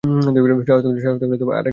সাহস থাকলে আরেকবার আমায় ছোকরা বলে ডাকুন।